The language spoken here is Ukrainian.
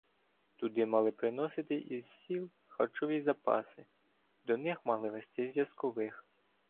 Туди мали приносити із сіл харчові запаси, до них мали вести зв'язкових.